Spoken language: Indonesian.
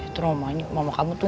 teromanya mama kamu tuh